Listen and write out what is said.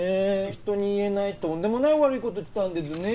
人に言えないとんでもない悪い事したんですね。